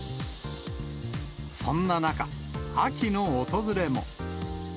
そんな中、秋の訪れも。